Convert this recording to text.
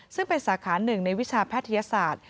ซึ่งเป็นสาขาหนึ่งในวิชาแพทยศาสตร์